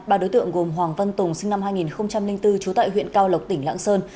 ba đối tượng gồm hoàng văn tùng sinh năm hai nghìn bốn trú tại huyện cao lộc tỉnh lạng sơn